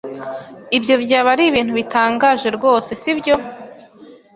Ibyo byaba ari ibintu bitangaje rwose, sibyo?